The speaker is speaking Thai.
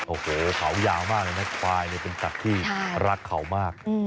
โอเคเขายาวมากเลยนะควายเป็นตัวที่รักเขามาก